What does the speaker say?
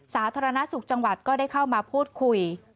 สาธารณสุขจังหวัดก็ได้เข้ามาพูดคุย